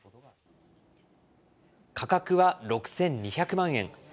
価格は６２００万円。